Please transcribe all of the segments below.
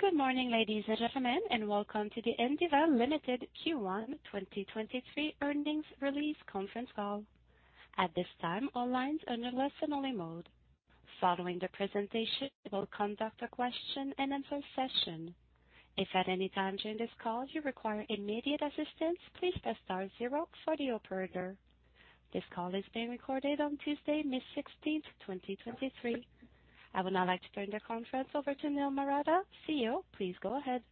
Good morning, ladies and gentlemen, and welcome to the Indiva Limited Q1 2023 earnings release conference call. At this time, all lines under listen only mode. Following the presentation, we will conduct a question-and-answer session. If at any time during this call you require immediate assistance, please press star 0 for the operator. This call is being recorded on Tuesday, May 16th, 2023. I would now like to turn the conference over to Niel Marotta, CEO. Please go ahead.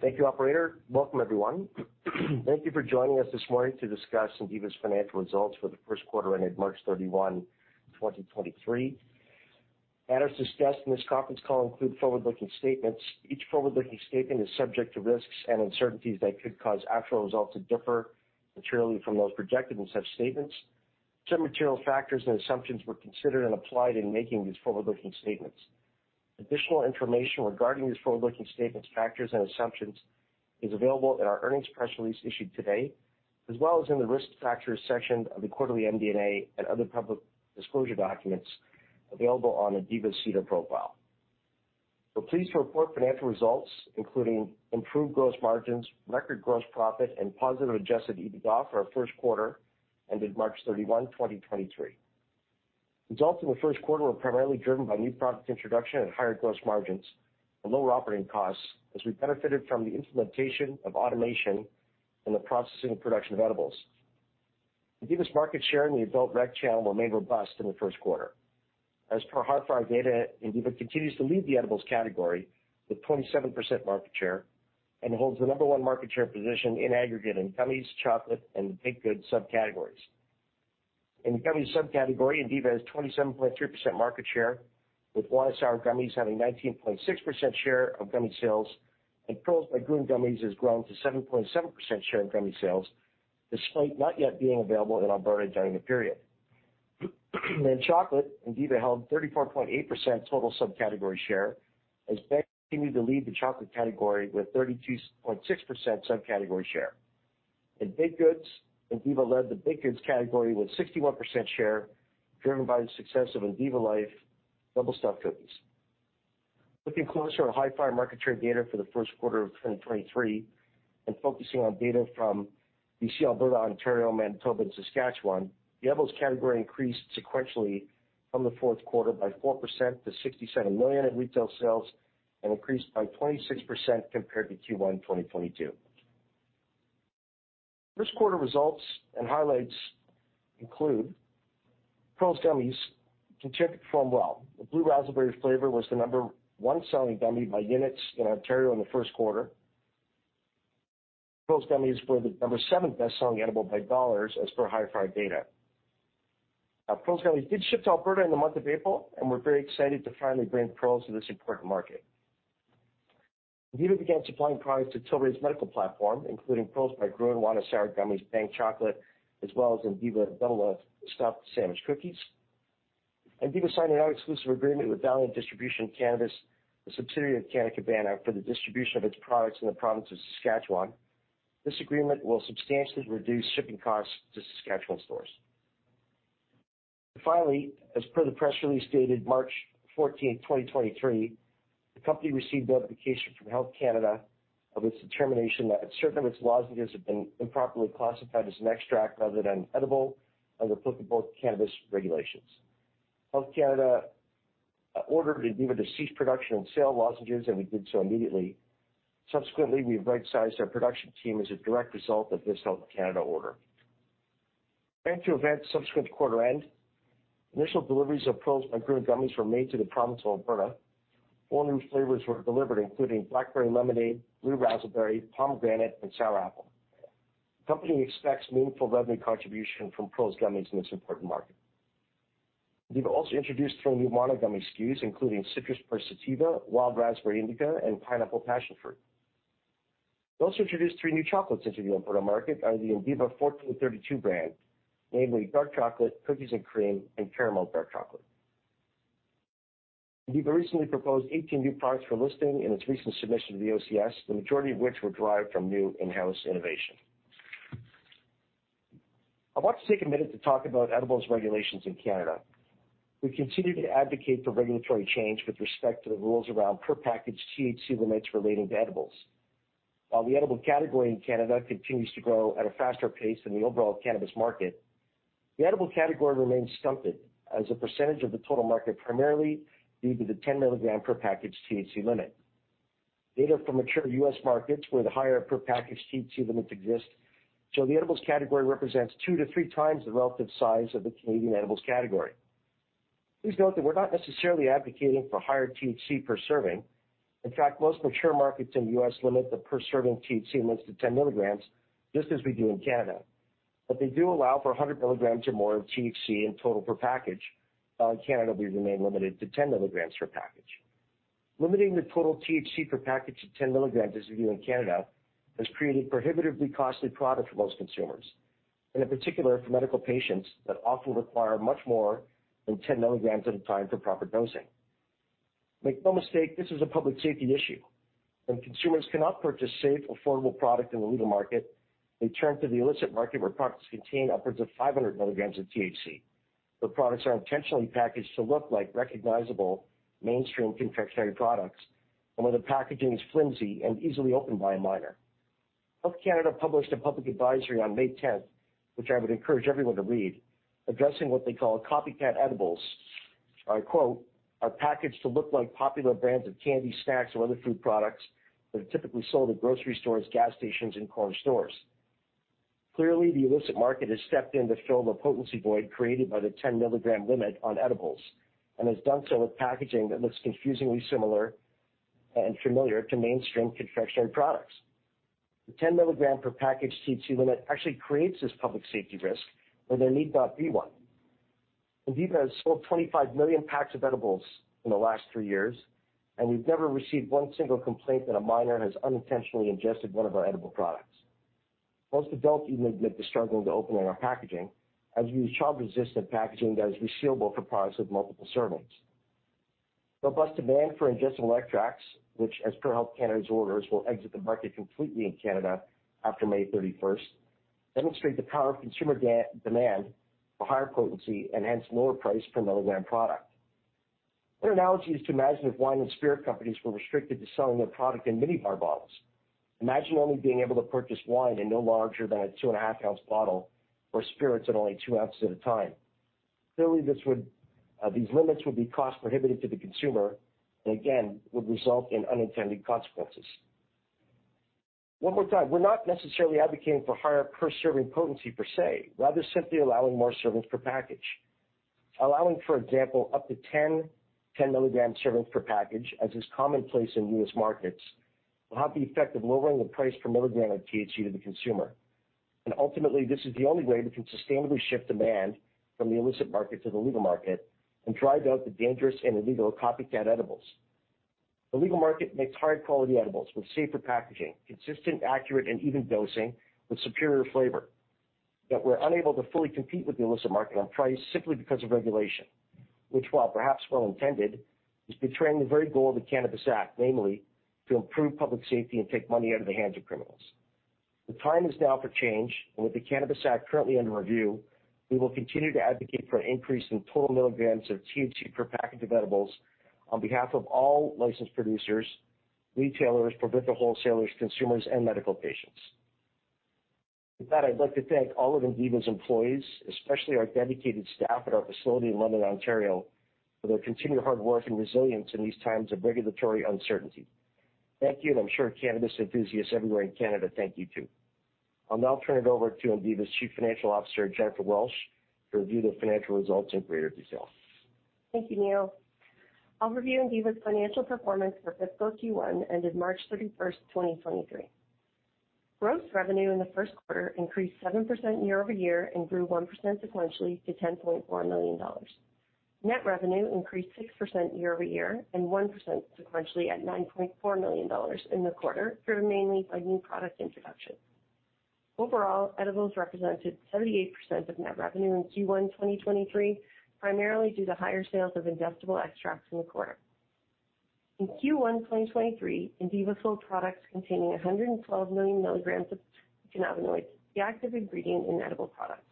Thank you, operator. Welcome, everyone. Thank you for joining us this morning to discuss Indiva's financial results for the first quarter ended March 31, 2023. Matters discussed in this conference call include forward-looking statements. Each forward-looking statement is subject to risks and uncertainties that could cause actual results to differ materially from those projected in such statements. Certain material factors and assumptions were considered and applied in making these forward-looking statements. Additional information regarding these forward-looking statements, factors, and assumptions is available in our earnings press release issued today, as well as in the Risk Factors section of the quarterly MD&A and other public disclosure documents available on Indiva's SEDAR profile. We're pleased to report financial results, including improved gross margins, record gross profit, and positive adjusted EBITDA for our first quarter ended March 31, 2023. Results in the first quarter were primarily driven by new product introduction and higher gross margins and lower operating costs as we benefited from the implementation of automation in the processing and production of edibles. Indiva's market share in the adult rec channel remained robust in the first quarter. As per Hifyre data, Indiva continues to lead the edibles category with 27% market share and holds the number 1 market share position in aggregate in gummies, chocolate, and baked goods subcategories. In the gummies subcategory, Indiva has 27.3% market share, with Wana Sour Gummies having 19.6% share of gummy sales, and Pearls by Grön Gummies has grown to 7.7% share in gummy sales, despite not yet being available in Alberta during the period. In chocolate, Indiva held 34.8% total subcategory share as they continue to lead the chocolate category with 32.6% subcategory share. In baked goods, Indiva led the baked goods category with 61% share, driven by the success of Indiva Life Double-Stuffed Sandwich Cookies. Looking closer at Hifyre market share data for the first quarter of 2023 and focusing on data from BC, Alberta, Ontario, Manitoba, and Saskatchewan, the edibles category increased sequentially from the fourth quarter by 4% to 67 million in retail sales and increased by 26% compared to Q1 2022. First quarter results and highlights include Pearls Gummies continued to perform well. The blue raspberry flavor was the number one selling gummy by units in Ontario in the first quarter. Pearls Gummies were the number seventh best-selling edible by dollars as per Hifyre data. Pearls Gummies did ship to Alberta in the month of April. We're very excited to finally bring Pearls to this important market. Indiva began supplying products to Tilray's medical platform, including Pearls by Grön, Wana Sour Gummies, Bhang Chocolate, as well as Indiva Double Stuffed Sandwich Cookies. Indiva signed an exclusive agreement with Valiant Distribution, a subsidiary of Canna Cabana, for the distribution of its products in the province of Saskatchewan. This agreement will substantially reduce shipping costs to Saskatchewan stores. Finally, as per the press release dated March 14, 2023, the company received notification from Health Canada of its determination that certain of its lozenges have been improperly classified as an extract rather than an edible under applicable cannabis regulations. Health Canada ordered Indiva to cease production and sale of lozenges. We did so immediately. Subsequently, we've right-sized our production team as a direct result of this Health Canada order. Thanks to events subsequent to quarter end, initial deliveries of Pearls by Grön gummies were made to the province of Alberta. All new flavors were delivered, including blackberry lemonade, blue raspberry, pomegranate, and sour apple. The company expects meaningful revenue contribution from Pearls Gummies in this important market. We've also introduced 3 new mono gummy SKUs, including Citrus Burst Sativa, Wild Raspberry Indica, and Pineapple Passionfruit. We also introduced 3 new chocolates into the Alberta market under the INDIVA 1432 brand, namely dark chocolate, cookies and cream, and caramel dark chocolate. Indiva recently proposed 18 new products for listing in its recent submission to the OCS, the majority of which were derived from new in-house innovation. I want to take a minute to talk about edibles regulations in Canada. We continue to advocate for regulatory change with respect to the rules around per package THC limits relating to edibles. While the edible category in Canada continues to grow at a faster pace than the overall cannabis market, the edible category remains stunted as a percentage of the total market, primarily due to the 10 milligram per package THC limit. Data from mature US markets where the higher per package THC limits exist show the edibles category represents 2-3 times the relative size of the Canadian edibles category. Please note that we're not necessarily advocating for higher THC per serving. In fact, most mature markets in the US limit the per serving THC limits to 10 milligrams, just as we do in Canada. They do allow for 100 milligrams or more of THC in total per package, while in Canada we remain limited to 10 milligrams per package. Limiting the total THC per package to 10 milligrams, as we do in Canada, has created prohibitively costly product for most consumers, and in particular for medical patients that often require much more than 10 milligrams at a time for proper dosing. Make no mistake, this is a public safety issue. When consumers cannot purchase safe, affordable product in the legal market, they turn to the illicit market where products contain upwards of 500 milligrams of THC. The products are intentionally packaged to look like recognizable mainstream confectionery products and where the packaging is flimsy and easily opened by a minor. Health Canada published a public advisory on May 10th, which I would encourage everyone to read, addressing what they call copycat edibles, I quote, "Are packaged to look like popular brands of candy, snacks or other food products that are typically sold at grocery stores, gas stations and corner stores." Clearly, the illicit market has stepped in to fill the potency void created by the 10 milligram limit on edibles, and has done so with packaging that looks confusingly similar and familiar to mainstream confectionery products. The 10 milligram per package THC limit actually creates this public safety risk where there need not be 1. Indiva has sold 25 million packs of edibles in the last 3 years, we've never received 1 single complaint that a minor has unintentionally ingested 1 of our edible products. Most adults even admit to struggling to open our packaging, as we use child-resistant packaging that is resealable for products with multiple servings. Robust demand for ingestible extracts, which as per Health Canada's orders, will exit the market completely in Canada after May 31st, demonstrate the power of consumer de-demand for higher potency and hence lower price per milligram product. A good analogy is to imagine if wine and spirit companies were restricted to selling their product in minibar bottles. Imagine only being able to purchase wine in no larger than a 2.5 ounce bottle or spirits at only 2 ounces at a time. Clearly, these limits would be cost prohibitive to the consumer and again, would result in unintended consequences. One more time, we're not necessarily advocating for higher per serving potency per se, rather simply allowing more servings per package. Allowing, for example, up to 10 milligram servings per package, as is commonplace in US markets, will have the effect of lowering the price per milligram of THC to the consumer. Ultimately, this is the only way we can sustainably shift demand from the illicit market to the legal market and drive out the dangerous and illegal copycat edibles. The legal market makes high quality edibles with safer packaging, consistent, accurate and even dosing with superior flavor. We're unable to fully compete with the illicit market on price simply because of regulation, which, while perhaps well-intended, is betraying the very goal of the Cannabis Act, namely to improve public safety and take money out of the hands of criminals. The time is now for change. With the Cannabis Act currently under review, we will continue to advocate for an increase in total milligrams of THC per package of edibles on behalf of all licensed producers, retailers, provincial wholesalers, consumers and medical patients. With that, I'd like to thank all of Indiva's employees, especially our dedicated staff at our facility in London, Ontario, for their continued hard work and resilience in these times of regulatory uncertainty. Thank you. I'm sure cannabis enthusiasts everywhere in Canada thank you too. I'll now turn it over to Indiva's Chief Financial Officer, Jennifer Welsh, to review the financial results in greater detail. Thank you, Niel. I'll review Indiva's financial performance for fiscal Q1 ended March 31st, 2023. Gross revenue in the first quarter increased 7% year-over-year and grew 1% sequentially to 10.4 million dollars. Net revenue increased 6% year-over-year and 1% sequentially at 9.4 million dollars in the quarter, driven mainly by new product introductions. Overall, edibles represented 78% of net revenue in Q1 2023, primarily due to higher sales of ingestible extracts in the quarter. In Q1 2023, Indiva sold products containing 112 million milligrams of cannabinoids, the active ingredient in edible products,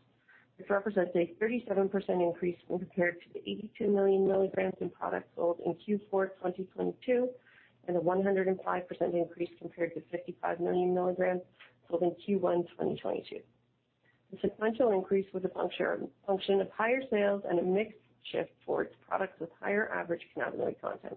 which represents a 37% increase when compared to the 82 million milligrams in products sold in Q4 2022, and a 105% increase compared to 55 million milligrams sold in Q1 2022. The sequential increase was a function of higher sales and a mix shift towards products with higher average cannabinoid content.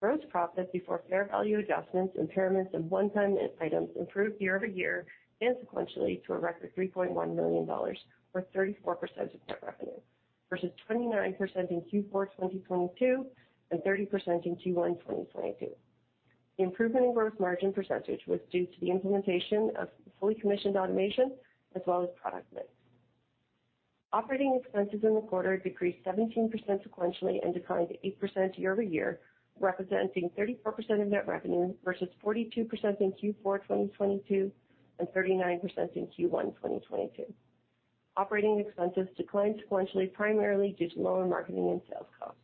Gross profit before fair value adjustments, impairments, and one-time items improved year-over-year and sequentially to a record 3.1 million dollars, or 34% of net revenue, versus 29% in Q4 2022, and 30% in Q1 2022. The improvement in gross margin % was due to the implementation of fully commissioned automation as well as product mix. Operating expenses in the quarter decreased 17% sequentially and declined 8% year-over-year, representing 34% of net revenue versus 42% in Q4 2022, and 39% in Q1 2022. Operating expenses declined sequentially, primarily due to lower marketing and sales costs.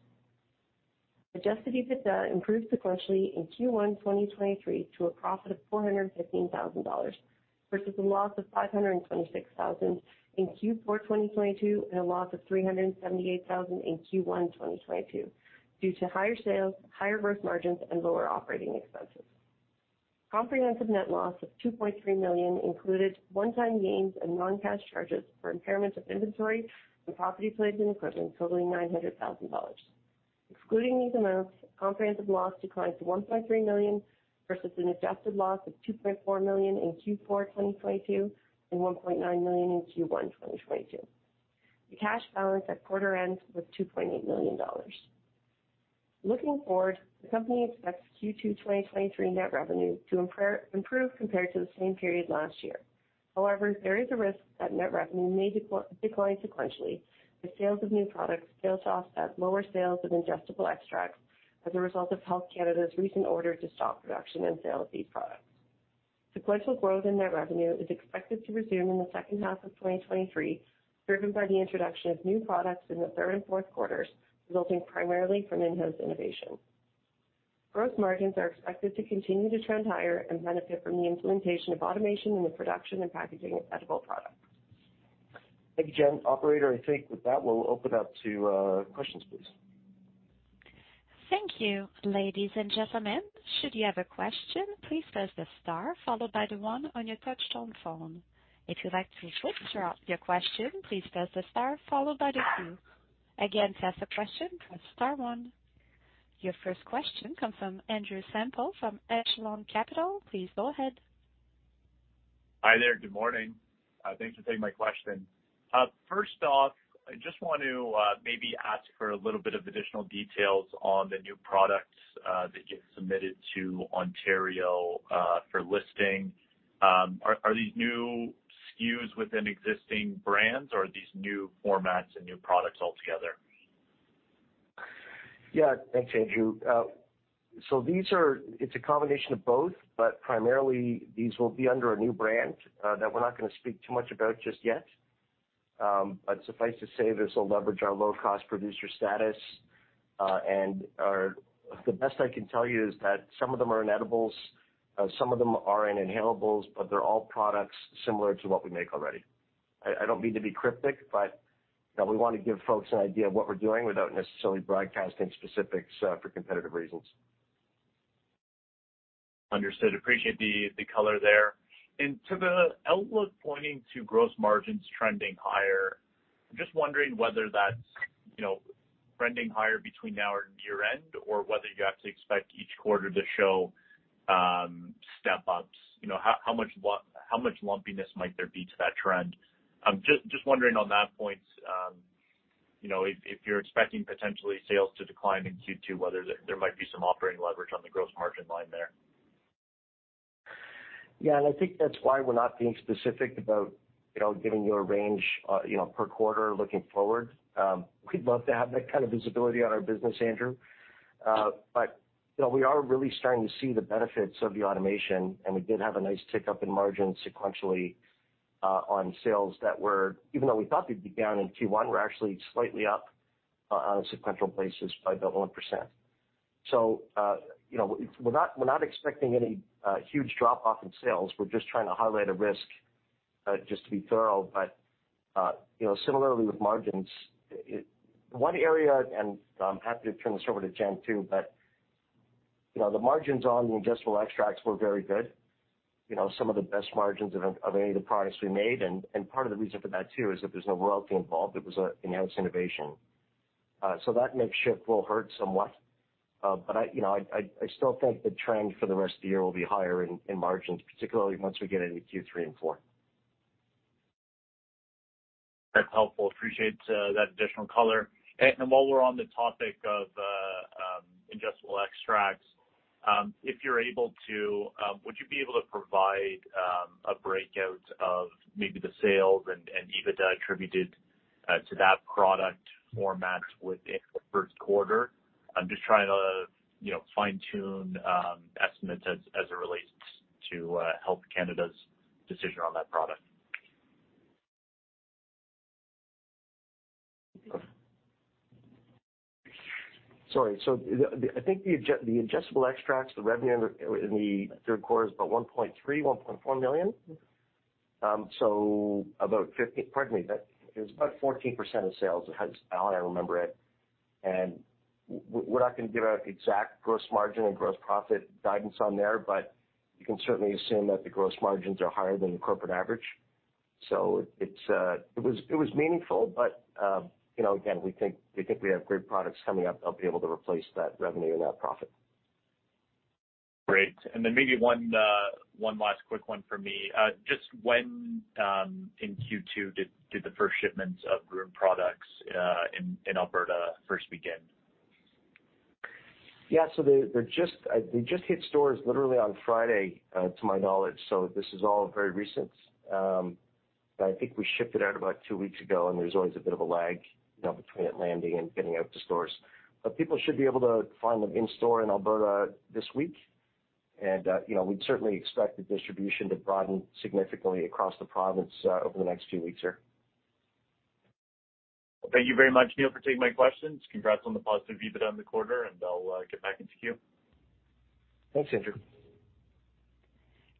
Adjusted EBITDA improved sequentially in Q1 2023 to a profit of 415,000 dollars versus a loss of 526,000 in Q4 2022 and a loss of 378,000 in Q1 2022, due to higher sales, higher gross margins and lower operating expenses. Comprehensive net loss of 2.3 million included one-time gains and non-cash charges for impairment of inventory and property, plant and equipment totaling 900,000 dollars. Excluding these amounts, comprehensive loss declined to 1.3 million versus an adjusted loss of 2.4 million in Q4 2022 and 1.9 million in Q1 2022. The cash balance at quarter end was 2.8 million dollars. Looking forward, the company expects Q2 2023 net revenue to improve compared to the same period last year. However, there is a risk that net revenue may decline sequentially as sales of new products tail off as lower sales of ingestible extracts as a result of Health Canada's recent order to stop production and sale of these products. Sequential growth in net revenue is expected to resume in the second half of 2023, driven by the introduction of new products in the third and fourth quarters, resulting primarily from in-house innovation. Gross margins are expected to continue to trend higher and benefit from the implementation of automation in the production and packaging of edible products. Thank you, Jen. Operator, I think with that, we'll open up to questions, please. Thank you. Ladies and gentlemen, should you have a question, please press the star followed by the one on your touchtone phone. If you'd like to withdraw your question, please press the star followed by the two. Again, to ask a question, press star one. Your first question comes from Andrew Semple from Echelon Capital. Please go ahead. Hi there. Good morning. Thanks for taking my question. First off, I just want to maybe ask for a little bit of additional details on the new products that get submitted to Ontario for listing. Are these new SKUs within existing brands or are these new formats and new products altogether? Yeah. Thanks, Andrew. It's a combination of both, but primarily these will be under a new brand that we're not gonna speak too much about just yet. Suffice to say, this will leverage our low-cost producer status. The best I can tell you is that some of them are in edibles, some of them are in inhalables, but they're all products similar to what we make already. I don't mean to be cryptic, you know, we wanna give folks an idea of what we're doing without necessarily broadcasting specifics for competitive reasons. Understood. Appreciate the color there. To the outlook pointing to gross margins trending higher, I'm just wondering whether that's, you know, trending higher between now or year-end or whether you actually expect each quarter to show step-ups. You know, how much lumpiness might there be to that trend? Just wondering on that point, you know, if you're expecting potentially sales to decline in Q2, whether there might be some operating leverage on the gross margin line there. Yeah, I think that's why we're not being specific about, you know, giving you a range, you know, per quarter looking forward. We'd love to have that kind of visibility on our business, Andrew Semple. We are really starting to see the benefits of the automation, and we did have a nice tick-up in margins sequentially on sales that were... Even though we thought they'd be down in Q1, we're actually slightly up on a sequential basis by the 1%. We're not expecting any huge drop-off in sales. We're just trying to highlight a risk just to be thorough. Similarly with margins, one area, and I'm happy to turn this over to Jen too, the margins on the ingestible extracts were very good. You know, some of the best margins of any of the products we made. Part of the reason for that too is that there's no royalty involved. It was in-house innovation. That mix shift will hurt somewhat. I, you know, I still think the trend for the rest of the year will be higher in margins, particularly once we get into Q3 and 4. That's helpful. Appreciate that additional color. While we're on the topic of ingestible extracts, if you're able to, would you be able to provide a breakout of maybe the sales and EBITDA attributed to that product format within the first quarter? I'm just trying to, you know, fine-tune estimates as it relates to Health Canada's decision on that product. Sorry. I think the ingestible extracts, the revenue in the third quarter is about 1.3 million-1.4 million. Pardon me. That is about 14% of sales as I remember it. We're not gonna give out exact gross margin and gross profit guidance on there, but you can certainly assume that the gross margins are higher than the corporate average. It was, it was meaningful. You know, again, we think, we think we have great products coming up that'll be able to replace that revenue and that profit. Great. Maybe one last quick one for me. Just when in Q2 did the first shipments of Grön products in Alberta first begin? They just hit stores literally on Friday, to my knowledge, so this is all very recent. I think we shipped it out about two weeks ago, and there's always a bit of a lag, you know, between it landing and getting out to stores. People should be able to find them in store in Alberta this week. You know, we'd certainly expect the distribution to broaden significantly across the province over the next few weeks here. Thank you very much, Niel, for taking my questions. Congrats on the positive EBITDA in the quarter. I'll get back into queue. Thanks, Andrew.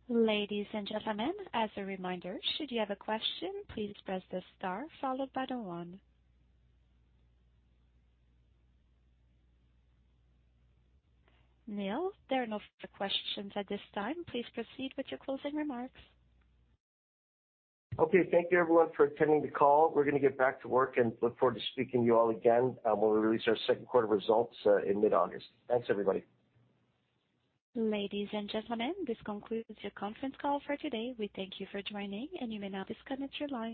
Ladies and gentlemen, as a reminder, should you have a question, please press the star followed by the one. Niel, there are no further questions at this time. Please proceed with your closing remarks. Okay. Thank you everyone for attending the call. We're gonna get back to work and look forward to speaking to you all again, when we release our second quarter results, in mid-August. Thanks, everybody. Ladies and gentlemen, this concludes your conference call for today. We thank you for joining, and you may now disconnect your lines.